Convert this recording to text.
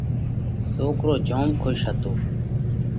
سوڪرو جوم کُش هتو۔